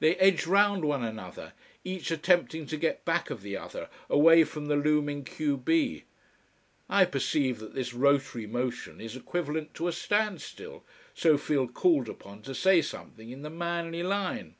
They edge round one another, each attempting to get back of the other, away from the looming q b. I perceive that this rotary motion is equivalent to a standstill, so feel called upon to say something in the manly line.